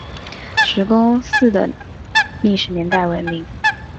石沟寺的历史年代为明。